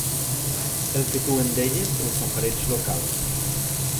El que tu en deies el safareig local.